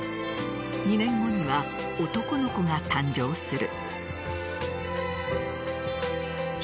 ２年後には男の子が誕生する。